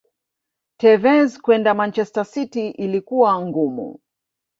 Tevez kwenda manchester city ilikuwa ngumu